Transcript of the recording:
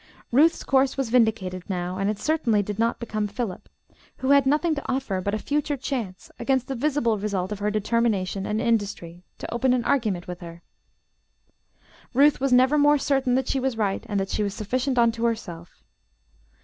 Ruth's course was vindicated now, and it certainly did not become Philip, who had nothing to offer but a future chance against the visible result of her determination and industry, to open an argument with her. Ruth was never more certain that she was right and that she was sufficient unto herself.